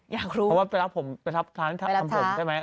อยากรู้เพราะว่าไปรับผมทางนี้ทำผมใช่ไหม